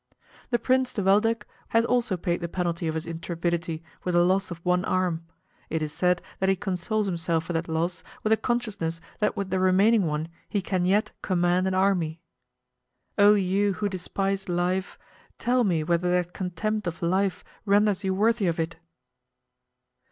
The Prince de Waldeck has also paid the penalty of his intrepidity with the loss of one arm. It is said that he consoles himself for that loss with the consciousness that with the remaining one he can yet command an army. O you who despise life, tell me whether that contempt of life renders you worthy of it?